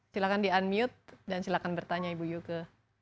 silahkan di unmute dan silakan bertanya ibu yuke